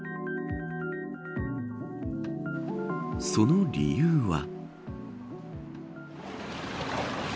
その理由は。